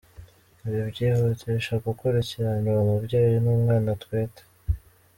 Ibi byihutisha gukurikirana uwo mubyeyi n’umwana atwite.